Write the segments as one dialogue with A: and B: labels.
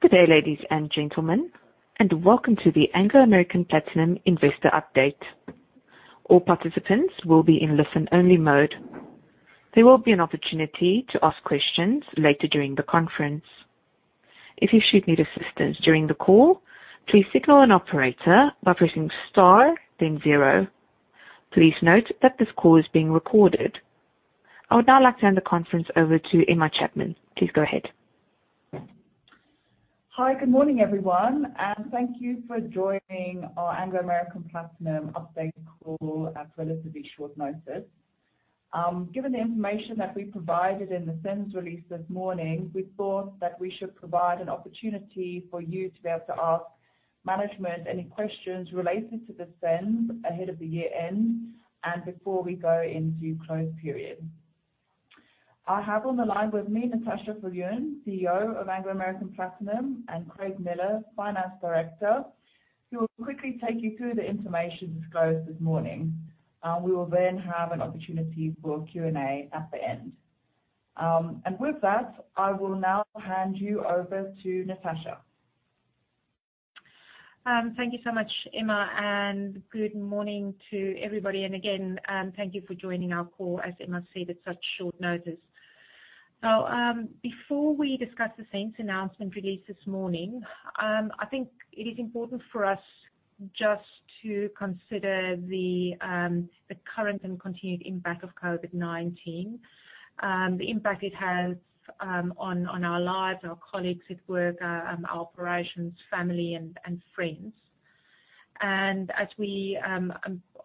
A: Good day, ladies and gentlemen, and welcome to the Anglo American Platinum investor update. All participants will be in listen-only mode. There will be an opportunity to ask questions later during the conference. If you should need assistance during the call, please signal an operator by pressing star then zero. Please note that this call is being recorded. I would now like to hand the conference over to Emma Chapman. Please go ahead.
B: Hi. Good morning, everyone, and thank you for joining our Anglo American Platinum update call at relatively short notice. Given the information that we provided in the SENS release this morning, we thought that we should provide an opportunity for you to be able to ask management any questions related to the SENS ahead of the year-end and before we go into close period. I have on the line with me Natascha Viljoen, CEO of Anglo American Platinum, and Craig Miller, Finance Director, who will quickly take you through the information disclosed this morning. We will then have an opportunity for Q&A at the end. With that, I will now hand you over to Natascha.
C: Thank you so much, Emma, and good morning to everybody. Again, thank you for joining our call, as Emma said, at such short notice. Before we discuss the SENS announcement released this morning, I think it is important for us just to consider the current and continued impact of COVID-19, the impact it has on our lives, our colleagues at work, our operations, family and friends. As we are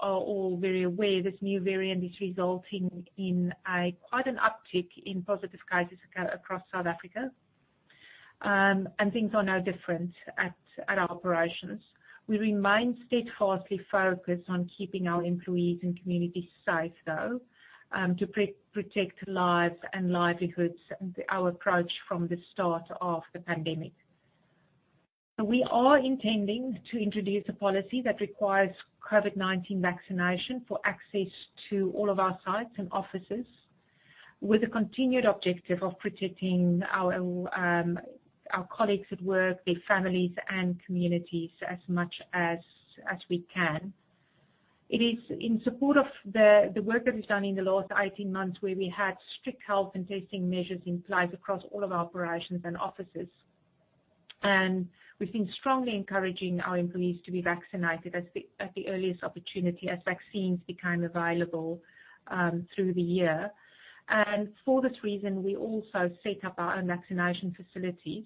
C: all very aware, this new variant is resulting in quite an uptick in positive cases across South Africa. Things are no different at our operations. We remain steadfastly focused on keeping our employees and communities safe though to protect lives and livelihoods, our approach from the start of the pandemic. We are intending to introduce a policy that requires COVID-19 vaccination for access to all of our sites and offices, with a continued objective of protecting our colleagues at work, their families and communities as much as we can. It is in support of the work that we've done in the last 18 months, where we had strict health and testing measures in place across all of our operations and offices. We've been strongly encouraging our employees to be vaccinated at the earliest opportunity as vaccines became available through the year. For this reason, we also set up our own vaccination facilities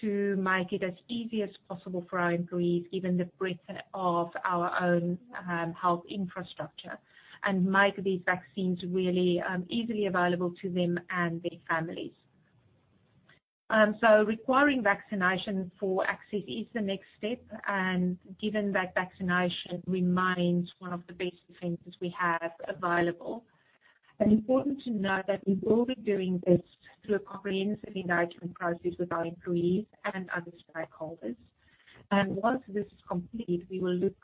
C: to make it as easy as possible for our employees, given the breadth of our own health infrastructure, and make these vaccines really easily available to them and their families. Requiring vaccination for access is the next step, and given that vaccination remains one of the best defenses we have available. Important to note that we will be doing this through a comprehensive engagement process with our employees and other stakeholders. Once this is complete, we will look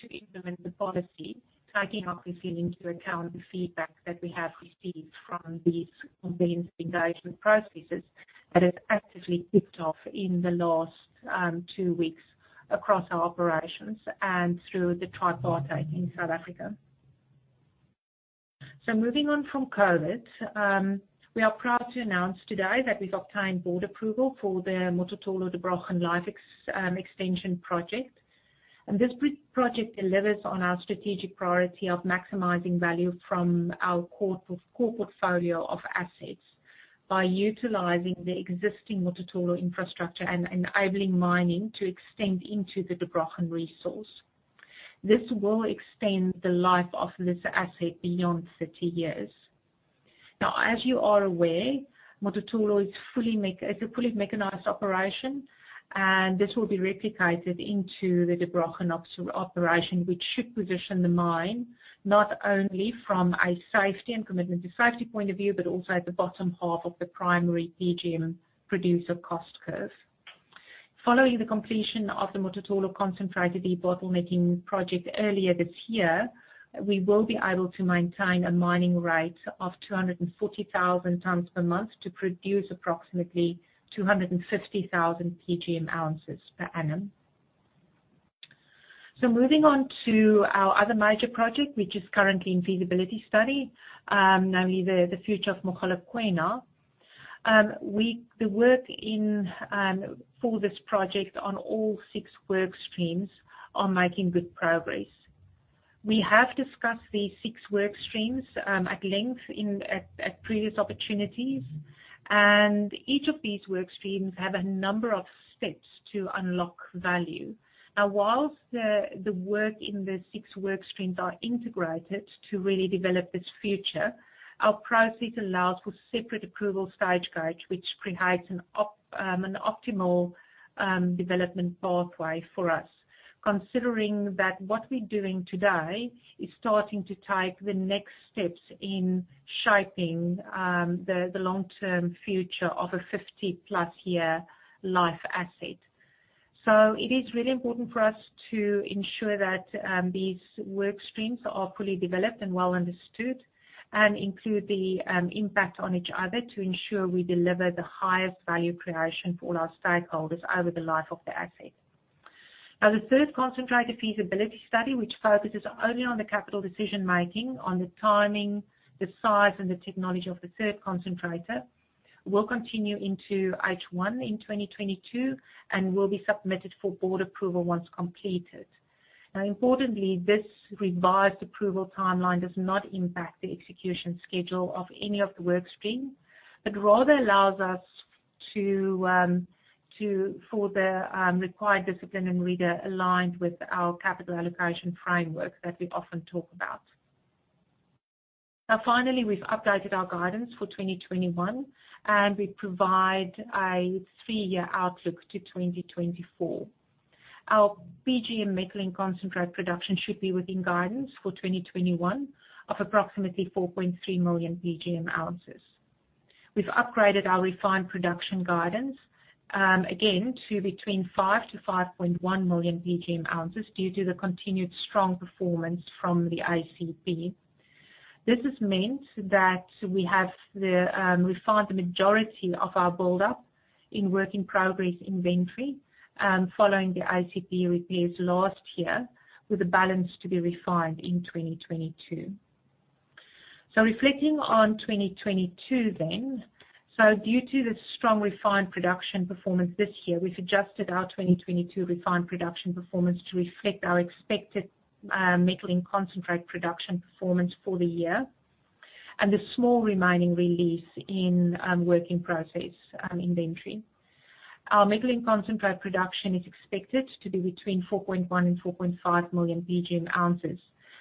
C: to implement the policy, taking obviously into account the feedback that we have received from these comprehensive engagement processes that have actively kicked off in the last two weeks across our operations and through the tripartite in South Africa. Moving on from COVID, we are proud to announce today that we've obtained board approval for the Mototolo Der Brochen life extension project. This project delivers on our strategic priority of maximizing value from our core portfolio of assets by utilizing the existing Mototolo infrastructure and enabling mining to extend into the Der Brochen resource. This will extend the life of this asset beyond 30 years. As you are aware, Mototolo is a fully mechanized operation, and this will be replicated into the Der Brochen operation, which should position the mine, not only from a safety and commitment to safety point of view, but also at the bottom half of the primary PGM producer cost curve. Following the completion of the Mototolo concentrator debottlenecking project earlier this year, we will be able to maintain a mining rate of 240,000 tons per month to produce approximately 250,000 PGM ounces per annum. Moving on to our other major project, which is currently in feasibility study, namely the future of Mogalakwena. The work in for this project on all six work streams are making good progress. We have discussed these six work streams at length in previous opportunities, and each of these work streams have a number of steps to unlock value. Whilst the work in the six work streams are integrated to really develop this future, our process allows for separate approval stage gates, which creates an optimal development pathway for us. Considering that what we're doing today is starting to take the next steps in shaping, the long-term future of a 50-plus year life asset. It is really important for us to ensure that these work streams are fully developed and well understood and include the impact on each other to ensure we deliver the highest value creation for all our stakeholders over the life of the asset. Now, the third concentrator feasibility study, which focuses only on the capital decision-making on the timing, the size, and the technology of the third concentrator, will continue into H1 in 2022 and will be submitted for board approval once completed. Now importantly, this revised approval timeline does not impact the execution schedule of any of the work stream, but rather allows us to for the required discipline and rigor aligned with our capital allocation framework that we often talk about. Finally, we've updated our guidance for 2021, and we provide a three-year outlook to 2024. Our PGM metal and concentrate production should be within guidance for 2021 of approximately 4.3 million PGM ounces. We've upgraded our refined production guidance again to between 5-5.1 million PGM ounces due to the continued strong performance from the ACP. This has meant that we have refined the majority of our buildup in work-in-progress inventory following the ACP repairs last year, with the balance to be refined in 2022. Reflecting on 2022 then. Due to the strong refined production performance this year, we've adjusted our 2022 refined production performance to reflect our expected metal and concentrate production performance for the year and the small remaining release in work-in-process inventory. Our metal and concentrate production is expected to be between 4.1-4.5 million PGM ounces.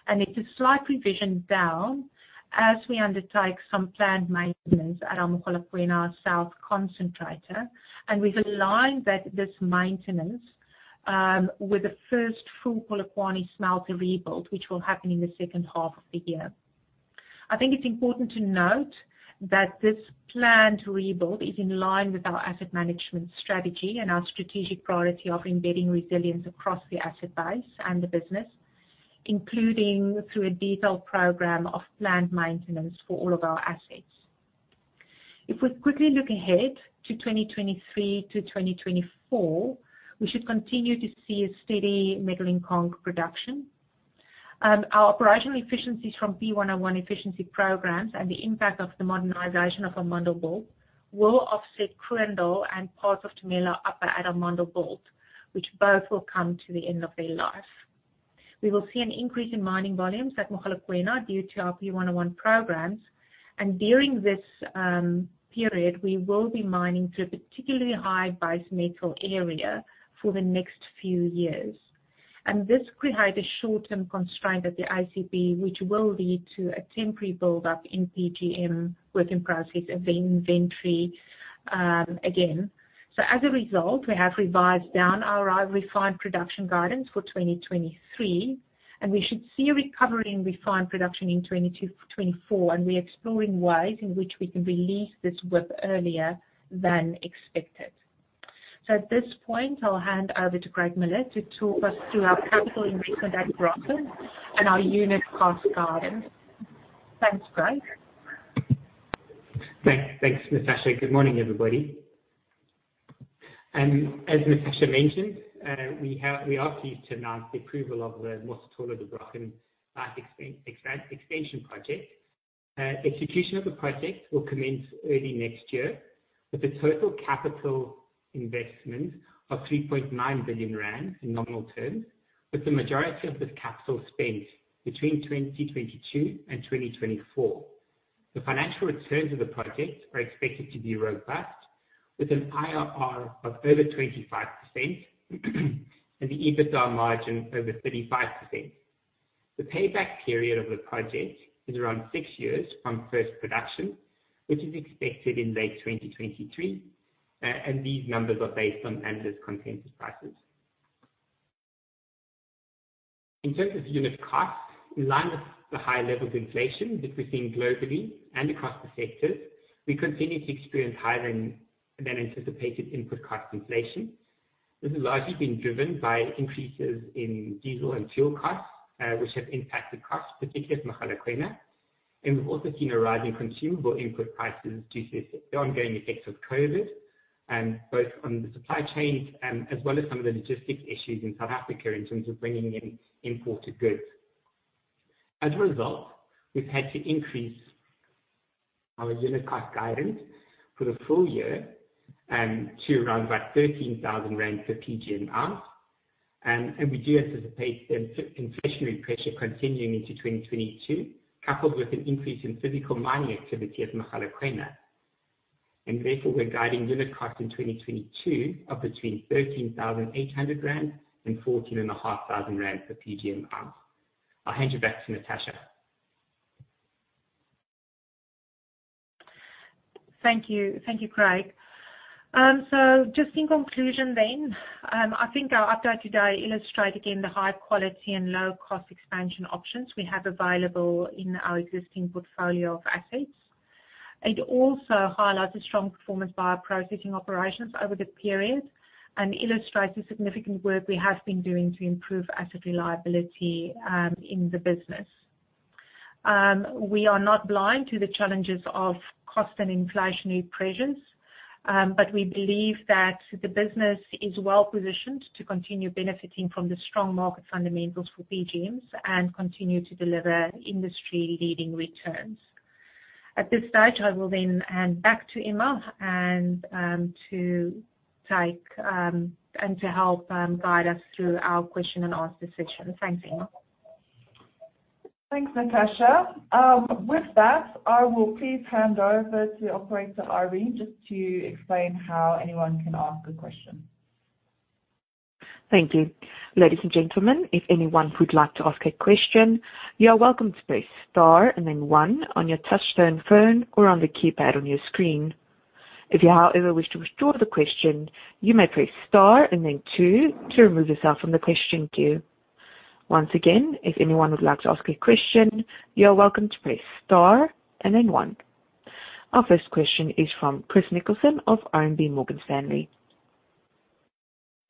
C: It's a slight revision down as we undertake some planned maintenance at Mogalakwena South concentrator, and we've aligned that this maintenance with the first full Polokwane smelter rebuild, which will happen in the second half of the year. I think it's important to note that this planned rebuild is in line with our asset management strategy and our strategic priority of embedding resilience across the asset base and the business, including through a detailed program of planned maintenance for all of our assets. If we quickly look ahead to 2023 to 2024, we should continue to see a steady metal and conc production. Our operational efficiencies from P101 efficiency programs and the impact of the modernization of Amandelbult will offset Kroondal and parts of Tumela Upper at Amandelbult, which both will come to the end of their life. We will see an increase in mining volumes at Mogalakwena due to our P101 programs. During this period, we will be mining through a particularly high base metal area for the next few years. This could have a short-term constraint at the ACP, which will lead to a temporary build-up in PGM work-in-process inventory, again. As a result, we have revised down our refined production guidance for 2023, and we should see a recovery in refined production in 2024, and we're exploring ways in which we can release this WIP earlier than expected. At this point, I'll hand over to Craig Miller to talk us through our capital increase at Der Brochen and our unit cost guidance. Thanks, Craig.
D: Thanks. Thanks, Natasha. Good morning, everybody. As Natasha mentioned, we're asked here to announce the approval of the Mototolo Der Brochen Life Extension project. Execution of the project will commence early next year with a total capital investment of 3.9 billion rand in nominal terms, with the majority of this capital spent between 2022 and 2024. The financial returns of the project are expected to be robust, with an IRR of over 25%, and the EBITDA margin over 35%. The payback period of the project is around 6 years from first production, which is expected in late 2023. These numbers are based on rand consensus prices. In terms of unit costs, in line with the high levels of inflation that we're seeing globally and across the sectors, we continue to experience higher than anticipated input cost inflation. This has largely been driven by increases in diesel and fuel costs, which have impacted costs, particularly at Mogalakwena. We've also seen a rise in consumable input prices due to the ongoing effects of COVID, both on the supply chains, as well as some of the logistics issues in South Africa in terms of bringing in imported goods. As a result, we've had to increase our unit cost guidance for the full year, to around about 13,000 rand per PGM ounce. We do anticipate the inflationary pressure continuing into 2022, coupled with an increase in physical mining activity at Mogalakwena. Therefore, we're guiding unit cost in 2022 of between 13,800 rand and 14,500 rand per PGM ounce. I'll hand you back to Natascha.
C: Thank you. Thank you, Craig. Just in conclusion then, I think our update today illustrates again the high quality and low cost expansion options we have available in our existing portfolio of assets. It also highlights a strong performance by our processing operations over the period and illustrates the significant work we have been doing to improve asset reliability in the business. We are not blind to the challenges of cost and inflationary pressures, but we believe that the business is well-positioned to continue benefiting from the strong market fundamentals for PGMs and continue to deliver industry-leading returns. At this stage, I will hand back to Emma to help guide us through our question and answer session. Thanks, Emma.
B: Thanks, Natascha. With that, I will please hand over to Operator Irene just to explain how anyone can ask a question.
A: Thank you. Ladies and gentlemen, if anyone would like to ask a question, you are welcome to press star and then one on your touchtone phone or on the keypad on your screen. If you, however, wish to withdraw the question, you may press star and then two to remove yourself from the question queue. Once again, if anyone would like to ask a question, you are welcome to press star and then one. Our first question is from Chris Nicholson of RMB Morgan Stanley.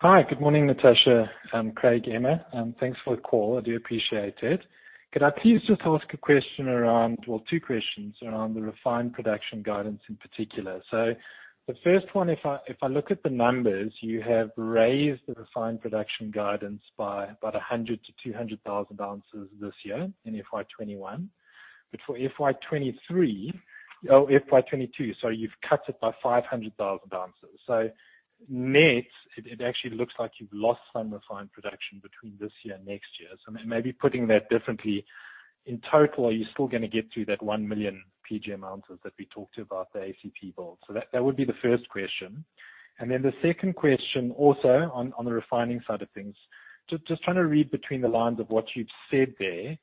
E: Hi. Good morning, Natascha and Craig, Emma, and thanks for the call. I do appreciate it. Could I please just ask a question around. Well, two questions around the refined production guidance in particular. The first one, if I look at the numbers, you have raised the refined production guidance by about 100,000-200,000 ounces this year in FY 2021. For FY 2022, you've cut it by 500,000 ounces. Net, it actually looks like you've lost some refined production between this year and next year. Maybe putting that differently, in total, are you still gonna get to that 1 million PGM ounces that we talked about at ACP build? That would be the first question. Then the second question also on the refining side of things. Just trying to read between the lines of what you've said there.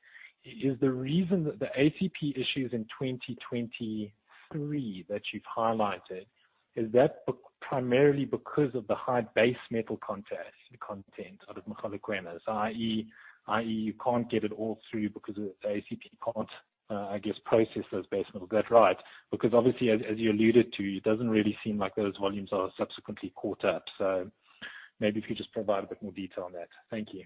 E: Is the reason that the ACP issues in 2023 that you've highlighted primarily because of the high base metal content out of Mogalakwena, i.e., you can't get it all through because the ACP can't, I guess, process those base metals? Is that right? Because obviously, as you alluded to, it doesn't really seem like those volumes are subsequently caught up. Maybe if you just provide a bit more detail on that. Thank you.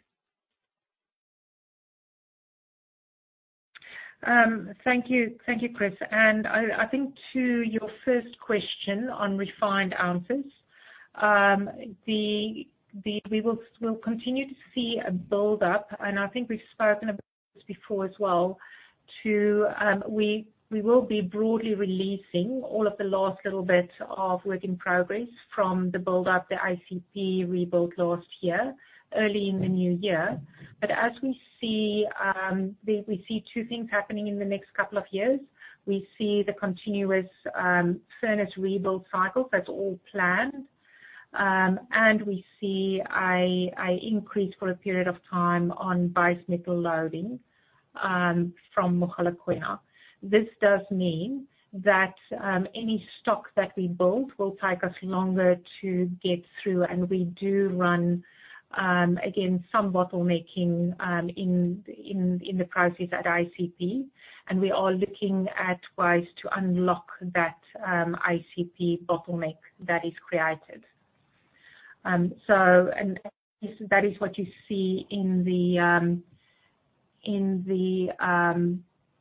C: Thank you. Thank you, Chris. I think to your first question on refined ounces, we'll continue to see a build-up, and I think we've spoken about this before as well, we will be broadly releasing all of the last little bits of work in progress from the build-up, the ACP rebuild last year, early in the new year. We see two things happening in the next couple of years. We see the continuous furnace rebuild cycles. That's all planned. We see an increase for a period of time on base metal loading from Mogalakwena. This does mean that any stock that we build will take us longer to get through, and we do run again some bottlenecking in the process at ACP. We are looking at ways to unlock that ACP bottleneck that is created. That is what you see in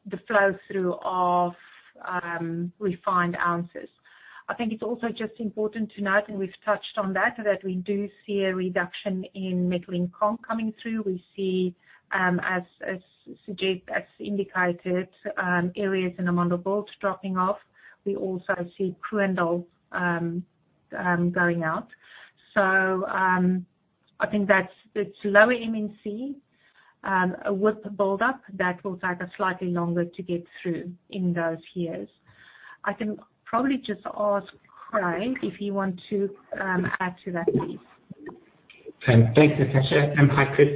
C: the flow through of refined ounces. I think it's also just important to note, and we've touched on that we do see a reduction in metal in conc coming through. We see, as [Sujit] has indicated, areas in Amandelbult dropping off. We also see Kroondal going out. I think that's it's lower M in C with the build-up that will take us slightly longer to get through in those years. I can probably just ask Craig if he want to add to that, please.
D: Thanks, Natascha, and hi, Chris.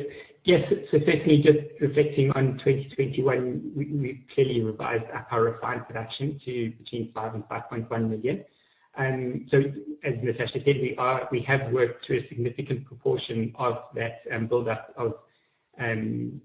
D: Yes. Certainly just reflecting on 2021, we clearly revised up our refined production to between 5 and 5.1 million. As Natasha said, we have worked through a significant proportion of that build-up of PGM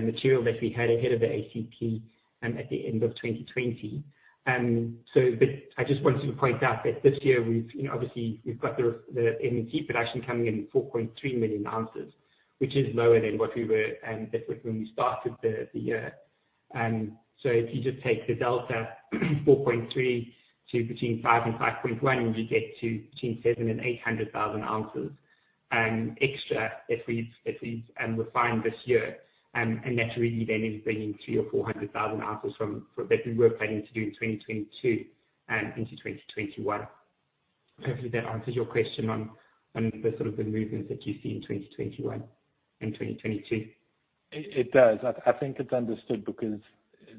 D: material that we had ahead of the ACP at the end of 2020. I just wanted to point out that this year we've obviously got the M&C production coming in 4.3 million ounces, which is lower than what we were, that was when we started the year. If you just take the delta 4.3 to between 5 and 5.1, you get to between 700,000-800,000 ounces extra if we refined this year. That really then is bringing 300,000 or 400,000 ounces from that we were planning to do in 2022 into 2021. Hopefully that answers your question on the sort of the movements that you see in 2021 and 2022.
E: It does. I think it's understood because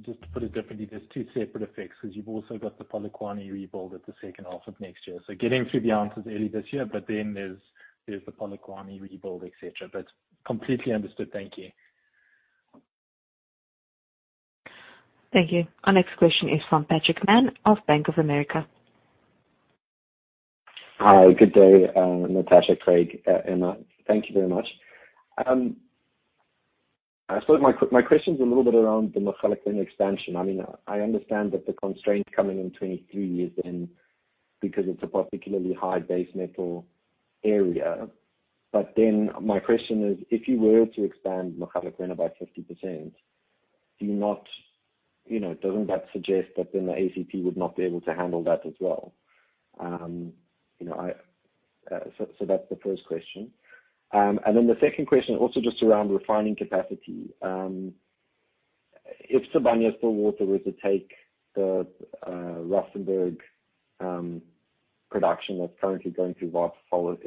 E: just to put it differently, there's two separate effects because you've also got the Polokwane rebuild at the second half of next year. Getting through the ounces early this year, but then there's the Polokwane rebuild, et cetera. Completely understood. Thank you.
A: Thank you. Our next question is from Patrick Mann of Bank of America.
F: Hi, good day, Natascha, Craig, Emma. Thank you very much. I suppose my question is a little bit around the Mogalakwena expansion. I mean, I understand that the constraints coming in 2023 is then because it's a particularly high-base metal area. But then my question is, if you were to expand Mogalakwena about 50%, do you not? You know, doesn't that suggest that then the ACP would not be able to handle that as well? You know, so that's the first question. Then the second question also just around refining capacity. If Sibanye-Stillwater were to take the Rustenburg production that's currently going through Waterval,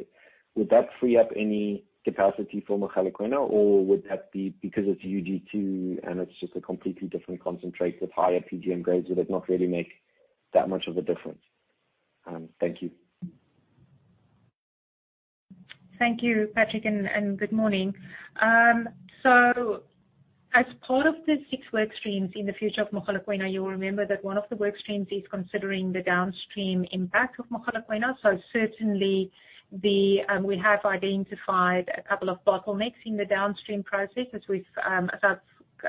F: would that free up any capacity for Mogalakwena? Would that be because it's UG2, and it's just a completely different concentrate with higher PGM grades, would it not really make that much of a difference? Thank you.
C: Thank you, Patrick, and good morning. As part of the six work streams in the future of Mogalakwena, you'll remember that one of the work streams is considering the downstream impact of Mogalakwena. Certainly we have identified a couple of bottlenecks in the downstream process as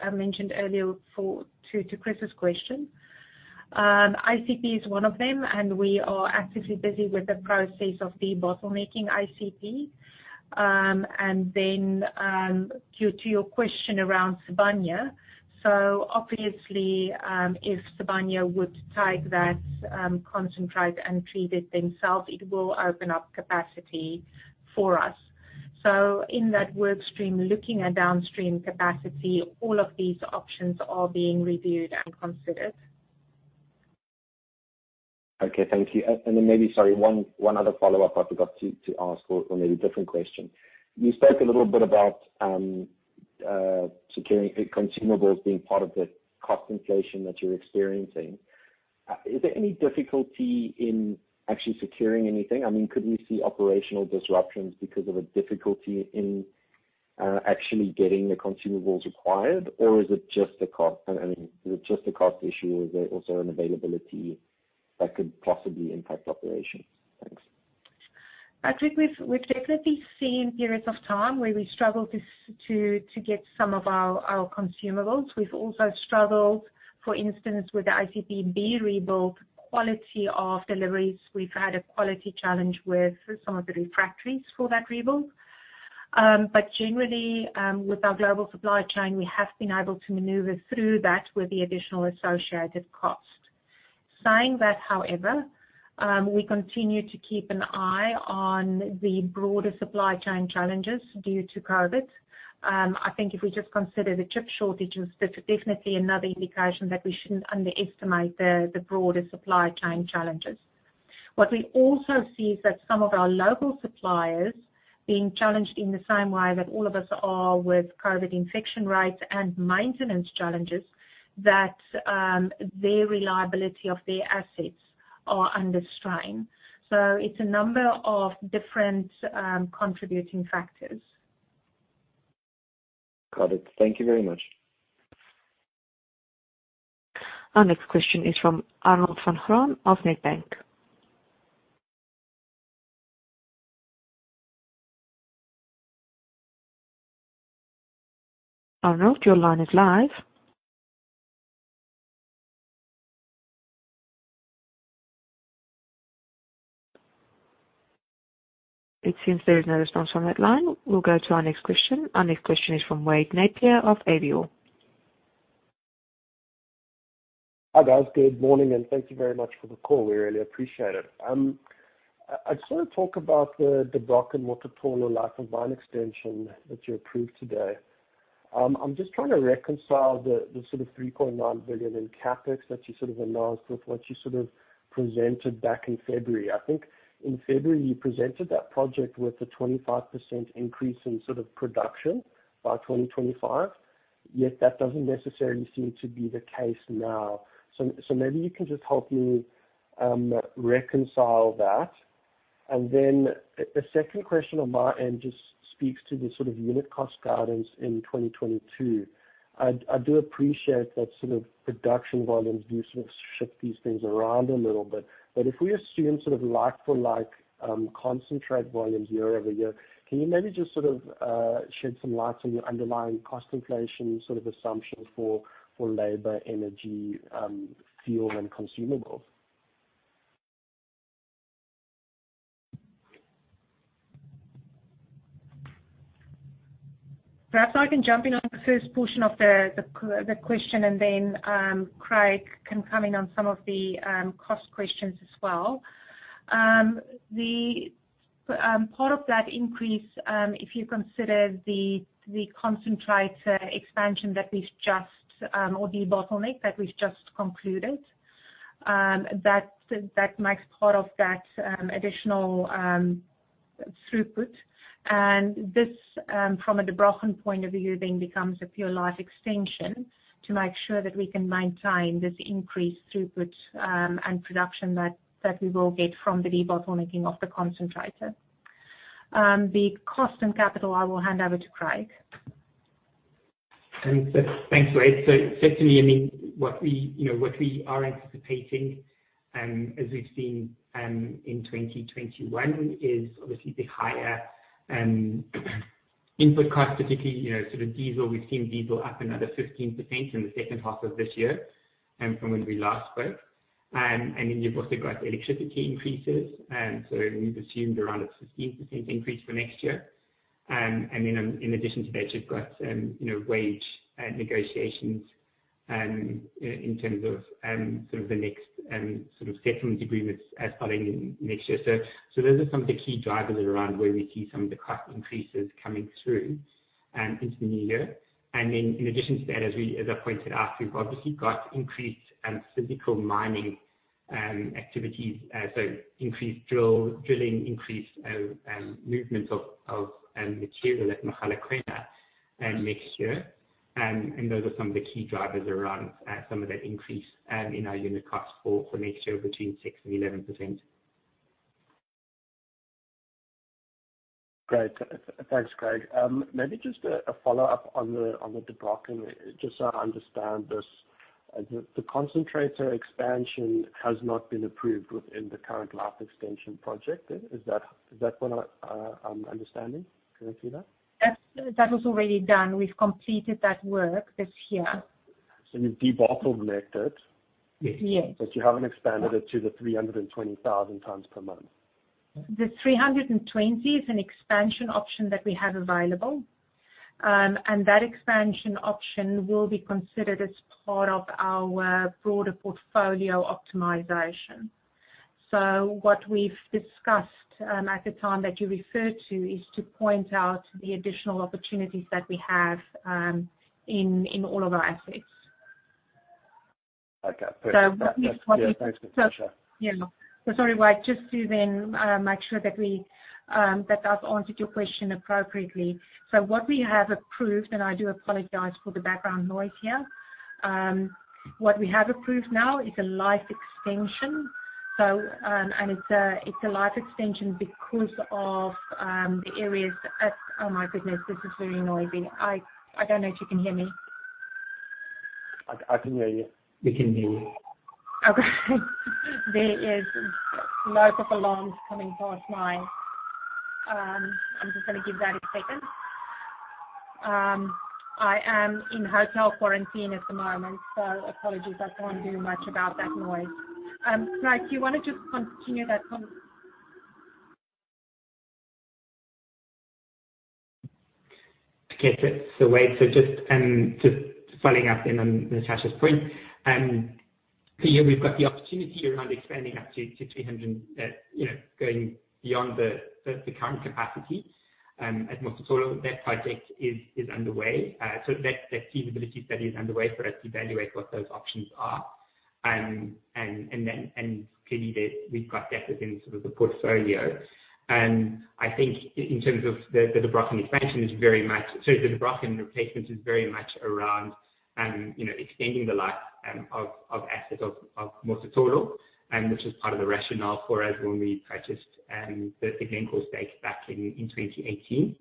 C: I've mentioned earlier to Chris's question. ACP is one of them, and we are actively busy with the process of debottlenecking ACP. And then to your question around Sibanye, obviously if Sibanye would take that concentrate and treat it themselves, it will open up capacity for us. In that work stream, looking at downstream capacity, all of these options are being reviewed and considered.
F: Okay. Thank you. Then maybe, sorry, one other follow-up I forgot to ask or maybe a different question. You spoke a little bit about securing consumables being part of the cost inflation that you're experiencing. Is there any difficulty in actually securing anything? I mean, could you see operational disruptions because of a difficulty in actually getting the consumables required? Or is it just a cost issue? I mean, is it just a cost issue? Or is there also an availability that could possibly impact operations? Thanks.
C: Patrick, we've definitely seen periods of time where we struggle to get some of our consumables. We've also struggled, for instance, with the ACP rebuild quality of deliveries. We've had a quality challenge with some of the refractories for that rebuild. Generally, with our global supply chain, we have been able to maneuver through that with the additional associated cost. Saying that, however, we continue to keep an eye on the broader supply chain challenges due to COVID. I think if we just consider the chip shortages, that's definitely another indication that we shouldn't underestimate the broader supply chain challenges. What we also see is that some of our local suppliers being challenged in the same way that all of us are with COVID infection rates and maintenance challenges, that their reliability of their assets are under strain. It's a number of different contributing factors.
F: Got it. Thank you very much.
A: Our next question is from Arnold van Graan of Nedbank. Arnold, your line is live. It seems there is no response from that line. We'll go to our next question. Our next question is from Wade Napier of Avior.
G: Hi, guys. Good morning, and thank you very much for the call. We really appreciate it. I just wanna talk about the Der Brochen Mototolo life of mine extension that you approved today. I'm just trying to reconcile the sort of 3.9 billion in CapEx that you sort of announced with what you sort of presented back in February. I think in February you presented that project with a 25% increase in sort of production by 2025. Yet that doesn't necessarily seem to be the case now. Maybe you can just help me reconcile that. The second question on my end just speaks to the sort of unit cost guidance in 2022. I do appreciate that sort of production volumes do sort of shift these things around a little bit. If we assume sort of like for like concentrate volumes year over year, can you maybe just sort of shed some light on your underlying cost inflation sort of assumption for labor, energy, fuel, and consumables?
C: Perhaps I can jump in on the first portion of the question and then Craig can come in on some of the cost questions as well. The part of that increase, if you consider the concentrate debottleneck that we've just concluded, that makes part of that additional throughput. This from a Der Brochen point of view then becomes a pure life extension to make sure that we can maintain this increased throughput and production that we will get from the debottlenecking of the concentrator. The cost and capital, I will hand over to Craig.
D: Thanks, Wade. Certainly, I mean, you know, what we are anticipating, as we've seen, in 2021 is obviously the higher input costs, particularly, you know, sort of diesel. We've seen diesel up another 15% in the second half of this year, from when we last spoke. You've also got electricity increases. We've assumed around a 15% increase for next year. In addition to that, you've got, you know, wage negotiations, in terms of sort of the next sort of settlement agreements starting in next year. Those are some of the key drivers around where we see some of the cost increases coming through, into the new year. In addition to that, as we, as I pointed out, we've obviously got increased physical mining activities. Increased drilling, increased movement of material at Mogalakwena next year. Those are some of the key drivers around some of that increase in our unit cost for next year between 6%-11%.
G: Great. Thanks, Craig. Maybe just a follow-up on the Der Brochen, just so I understand this. The concentrator expansion has not been approved within the current life extension project. Is that what I'm understanding? Correct me there.
C: That was already done. We've completed that work this year.
G: You've debottlenecked it.
C: Yes.
G: You haven't expanded it to the 320,000 tons per month.
C: The 320 is an expansion option that we have available. That expansion option will be considered as part of our broader portfolio optimization. What we've discussed at the time that you referred to is to point out the additional opportunities that we have in all of our assets.
G: Okay, perfect.
C: What we
G: Yeah, thanks, Natascha.
C: Sorry, Wade, just to make sure that I've answered your question appropriately. What we have approved, and I do apologize for the background noise here. What we have approved now is a life extension. It's a life extension because of the areas at. Oh, my goodness, this is very noisy. I don't know if you can hear me.
G: I can hear you.
D: We can hear you.
C: Okay. There is loads of alarms coming past my. I'm just gonna give that a second. I am in hotel quarantine at the moment, so apologies I can't do much about that noise. Craig, do you wanna just continue that com
D: Okay. Wade, just following up then on Natascha's point. Yeah, we've got the opportunity around expanding up to 300, you know, going beyond the current capacity at Mototolo. That project is underway. The feasibility study is underway for us to evaluate what those options are. Clearly we've got that within sort of the portfolio. I think in terms of the Der Brochen replacement is very much around, you know, extending the life of the asset of Mototolo, which is part of the rationale for us when we purchased the Glencore stake back in 2018.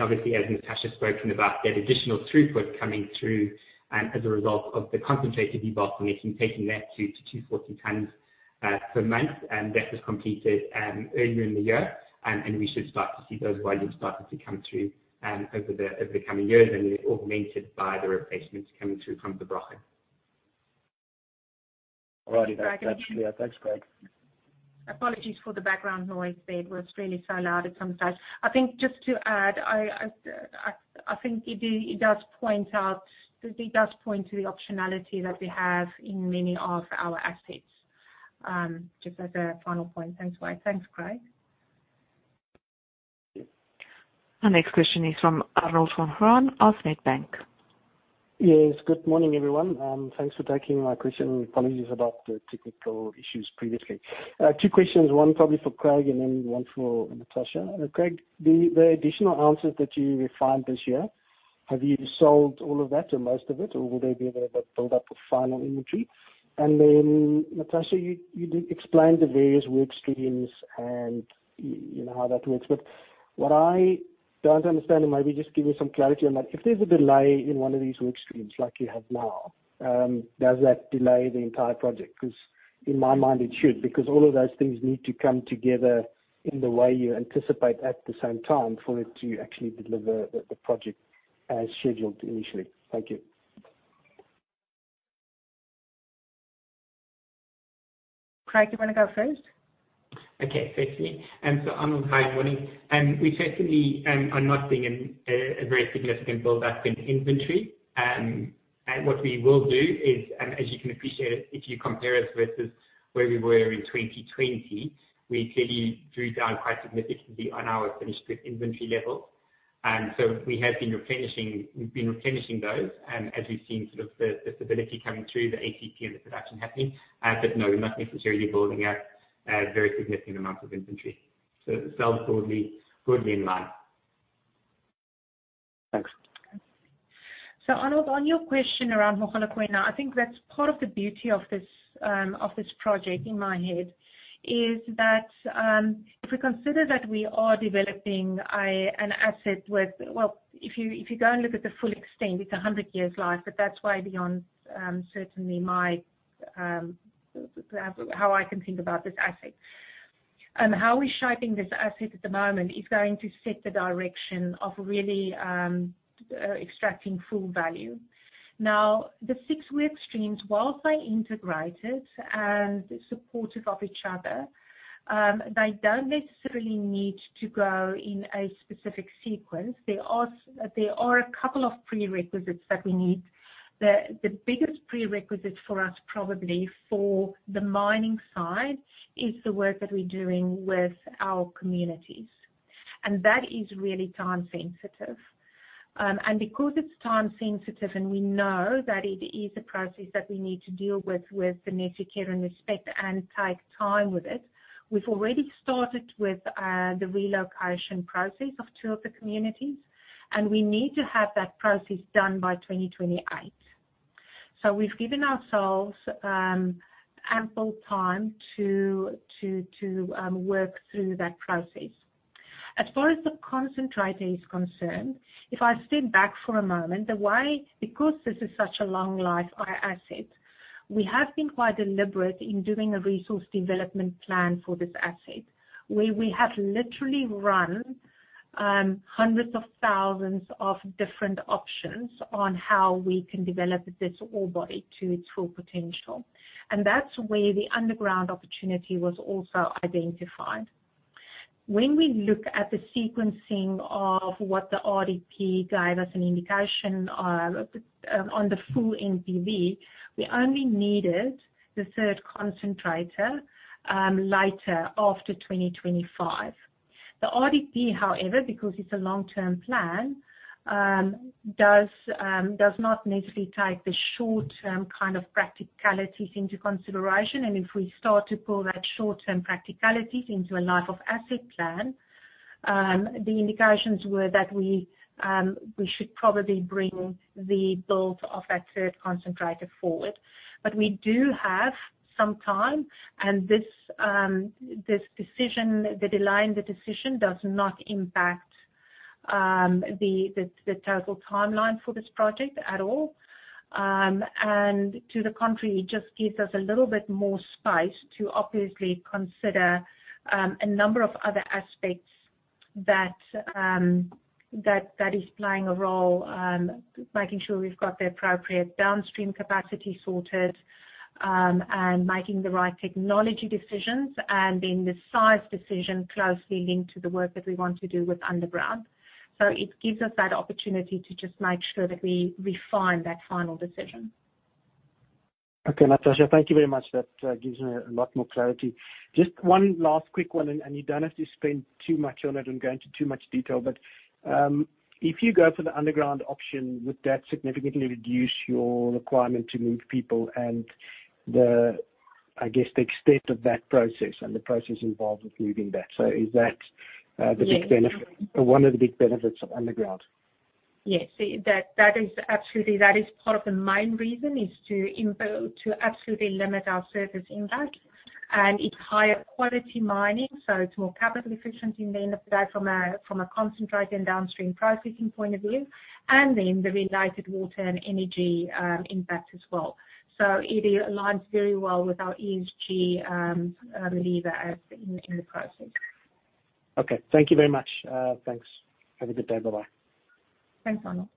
D: Obviously, as Natascha spoken about, that additional throughput coming through as a result of the concentrator debottlenecking, taking that 2-240 times per month. That was completed earlier in the year. We should start to see those volumes starting to come through over the coming years, and they're augmented by the replacements coming through from Der Brochen.
G: All righty. That's clear. Thanks, Craig.
C: Apologies for the background noise there. It was really so loud at some stage. I think just to add, it does point to the optionality that we have in many of our assets. Just as a final point. Thanks, Wade. Thanks, Craig.
A: Our next question is from Arnold van Graan of Nedbank.
H: Yes. Good morning, everyone. Thanks for taking my question. Apologies about the technical issues previously. Two questions, one probably for Craig and then one for Natasha. Craig, the additional ounces that you refined this year, have you sold all of that or most of it, or will they be able to build up a final inventory? Natasha, you did explain the various work streams and you know how that works. But what I don't understand, and maybe just give me some clarity on that. If there's a delay in one of these work streams like you have now, does that delay the entire project? 'Cause in my mind, it should. Because all of those things need to come together in the way you anticipate at the same time for it to actually deliver the project as scheduled initially. Thank you.
C: Craig, you wanna go first?
D: Okay. Thanks. So Arnold, hi, good morning. We certainly are not seeing a very significant build up in inventory. And what we will do is, as you can appreciate, if you compare us versus where we were in 2020, we clearly drew down quite significantly on our finished inventory level. We have been replenishing those, as we've seen sort of the stability coming through the ATP and the production happening. But no, we're not necessarily building up a very significant amount of inventory. It sounds broadly in line.
H: Thanks.
C: Arnold, on your question around Mogalakwena, I think that's part of the beauty of this project in my head is that if we consider that we are developing an asset. If you go and look at the full extent, it's a 100 years life, but that's way beyond certainly my how I can think about this asset. How we're shaping this asset at the moment is going to set the direction of really extracting full value. Now, the six work streams, while they're integrated and supportive of each other, they don't necessarily need to go in a specific sequence. There are a couple of prerequisites that we need. The biggest prerequisite for us probably for the mining side is the work that we're doing with our communities. That is really time sensitive. Because it's time sensitive and we know that it is a process that we need to deal with the necessary care and respect and take time with it, we've already started with the relocation process of two of the communities, and we need to have that process done by 2028. We've given ourselves ample time to work through that process. As far as the concentrator is concerned, if I step back for a moment, because this is such a long life, our asset, we have been quite deliberate in doing a resource development plan for this asset, where we have literally run hundreds of thousands of different options on how we can develop this ore body to its full potential. That's where the underground opportunity was also identified. When we look at the sequencing of what the RDP gave us an indication on the full NPV, we only needed the third concentrator later after 2025. The RDP, however, because it's a long-term plan, does not necessarily take the short-term kind of practicalities into consideration. If we start to pull that short-term practicalities into a life of asset plan, the indications were that we should probably bring the build of that third concentrator forward. We do have some time, and this decision, the delay in the decision does not impact the total timeline for this project at all. To the contrary, it just gives us a little bit more space to obviously consider a number of other aspects that is playing a role, making sure we've got the appropriate downstream capacity sorted, and making the right technology decisions and then the size decision closely linked to the work that we want to do with underground. It gives us that opportunity to just make sure that we refine that final decision.
H: Okay, Natascha, thank you very much. That gives me a lot more clarity. Just one last quick one, and you don't have to spend too much on it and go into too much detail. If you go for the underground option, would that significantly reduce your requirement to move people and the, I guess, the extent of that process and the process involved with moving that? Is that The big benefit or one of the big benefits of underground?
C: Yes. That is absolutely part of the main reason to absolutely limit our surface impact. It's higher quality mining, so it's more capital efficient in the end of the day from a concentrate and downstream processing point of view, and then the related water and energy impact as well. It aligns very well with our ESG lever as in the process.
H: Okay. Thank you very much. Thanks. Have a good day. Bye-bye.
C: Thanks, Arnold.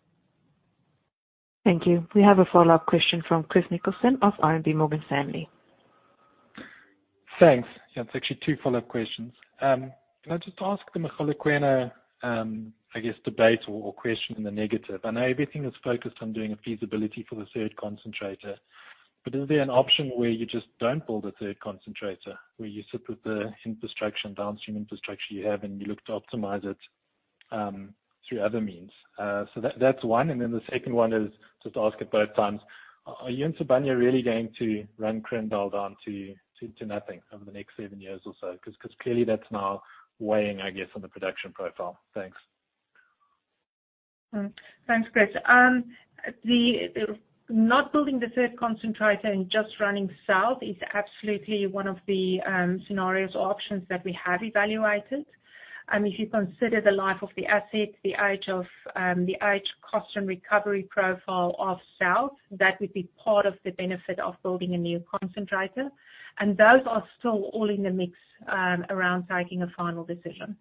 A: Thank you. We have a follow-up question from Chris Nicholson of RMB Morgan Stanley.
E: Thanks. Yeah, it's actually two follow-up questions. Can I just ask the Mogalakwena debate or question in the negative. I know everything is focused on doing a feasibility for the third concentrator, but is there an option where you just don't build a third concentrator, where you sit with the infrastructure and downstream infrastructure you have, and you look to optimize it through other means? So that's one. And then the second one is just ask about both mines. Are you and Sibanye really going to run Kroondal down to nothing over the next seven years or so? 'Cause clearly that's now weighing, I guess, on the production profile. Thanks.
C: Thanks, Chris. The not building the third concentrator and just running South is absolutely one of the scenarios or options that we have evaluated. I mean, if you consider the life of the asset, the age, cost, and recovery profile of South, that would be part of the benefit of building a new concentrator. Those are still all in the mix around taking a final decision.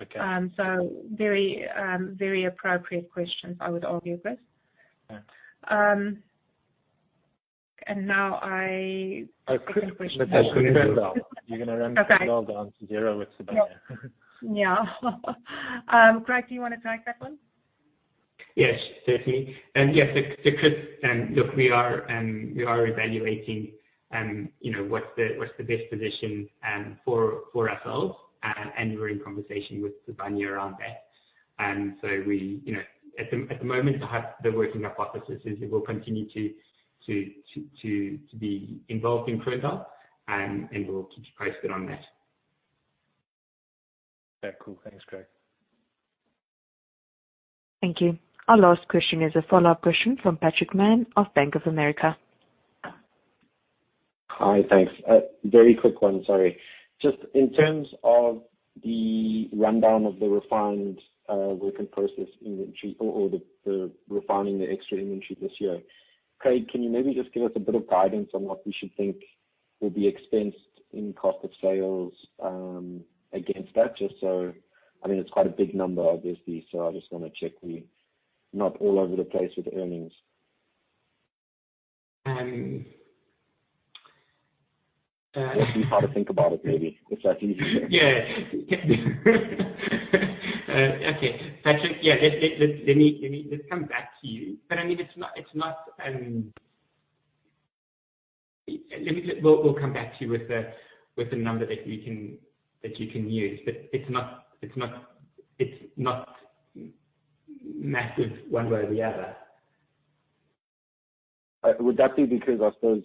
E: Okay.
C: Very appropriate questions, I would argue, Chris.
E: Thanks.
C: Second question.
E: A quick one. Natascha, quick one. You're gonna run Kroondal down to zero with Sibanye.
C: Yeah. Craig, do you wanna take that one?
D: Yes, certainly. Yes, to Chris, look, we are evaluating, you know, what's the best position for ourselves, and we're in conversation with Sibanye-Stillwater around that. We, you know, at the moment, perhaps the working hypothesis is we will continue to be involved in Kroondal, and we'll keep you posted on that.
E: Yeah. Cool. Thanks, Craig.
A: Thank you. Our last question is a follow-up question from Patrick Mann of Bank of America.
F: Hi. Thanks. A very quick one, sorry. Just in terms of the rundown of the refined work-in-process inventory or the refining extra inventory this year. Craig, can you maybe just give us a bit of guidance on what we should think will be expensed in cost of sales against that? I mean, it's quite a big number obviously, so I just wanna check we're not all over the place with earnings. What's the proper thing about it, maybe? If that's easier.
D: Yeah. Okay. Patrick, yeah. Let's come back to you. I mean, it's not. We'll come back to you with a number that you can use. It's not massive one way or the other.
F: Would that be because I suppose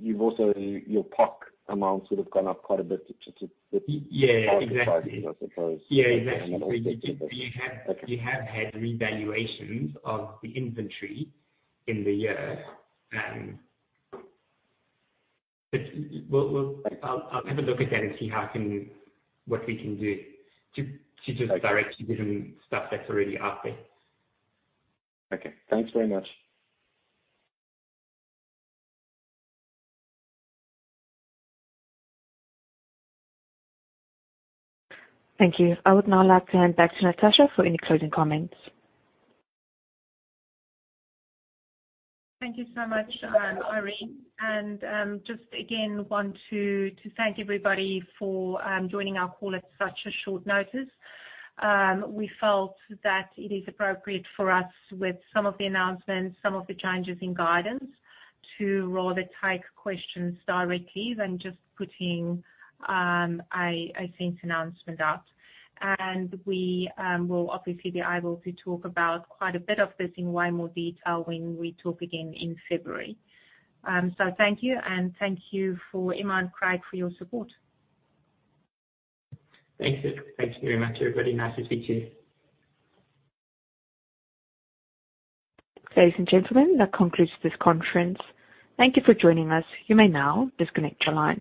F: you've also, your POC amounts would have gone up quite a bit to?
D: Yeah, exactly.
F: I suppose.
D: Yeah, exactly. You did, you have. You have had revaluations of the inventory in the year. I'll have a look again and see what we can do to just direct you to the stuff that's already out there.
F: Okay. Thanks very much.
A: Thank you. I would now like to hand back to Natascha for any closing comments.
C: Thank you so much, Irene. I just again want to thank everybody for joining our call at such a short notice. We felt that it is appropriate for us with some of the announcements, some of the changes in guidance, to rather take questions directly than just putting a SENS announcement out. We will obviously be able to talk about quite a bit of this in way more detail when we talk again in February. Thank you, and thank you to Emma and Craig for your support.
D: Thank you. Thanks very much everybody. Nice to speak to you.
A: Ladies and gentlemen, that concludes this conference. Thank you for joining us. You may now disconnect your lines.